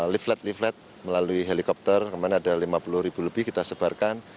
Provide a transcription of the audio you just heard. leaflet leaflet melalui helikopter kemarin ada lima puluh ribu lebih kita sebarkan